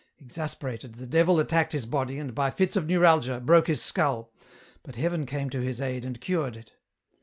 Exasperated, the Devil attacked his body and, by fits of neuralgia, broke his 2l8 EN ROUTE. Skull, but Heaven came to his aid and cured it.